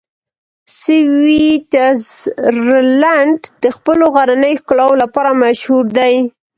سویټزرلنډ د خپلو غرنیو ښکلاوو لپاره مشهوره دی.